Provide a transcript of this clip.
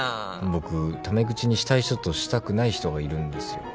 僕タメ口にしたい人としたくない人がいるんですよ。